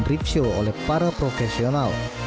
pertunjukan drift show oleh para profesional